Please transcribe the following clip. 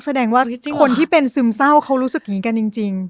แสดงว่าคนที่เป็นซึมเศร้าเขารู้สึกอย่างนี้กันจริง